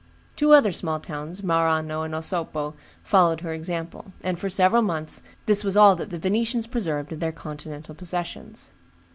Two other small towns, Marano and Osopo, followed her example; and for several months this was all that the Venetians preserved of their continental possessions.